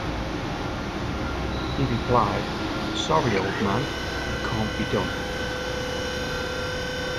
He replied 'Sorry, old man, it can't be done.